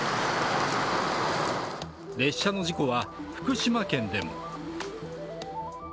列車の事故は福島県でも。